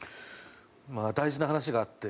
大事な話があって。